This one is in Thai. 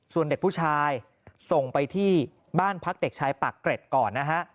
ส่วนเด็กผู้ชายส่งไปที่บ้านพักเด็กชายปากเกร็ดก่อนนะฮะ